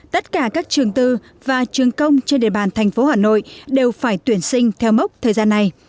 tất cả các trường tư và trường công trên đề bàn tp hà nội đều phải tuyển sinh theo mốc thời gian này